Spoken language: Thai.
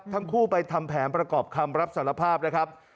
ทั้งคู่ไปทำแผนประกอบคำรับสารภาพนะครับ